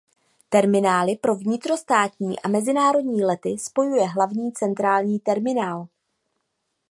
Terminály pro vnitrostátní a mezinárodní lety spojuje hlavní centrální terminál.